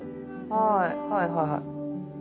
はいはいはいはい。